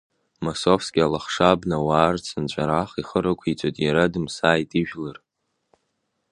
Масовски алахша, абнауаа рцынҵәарах, ихы рықәиҵоит, иара дымсааит, ижәлар.